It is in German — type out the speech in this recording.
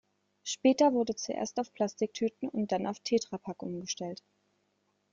Später wurde zuerst auf Plastiktüten und dann auf Tetra Pak umgestellt.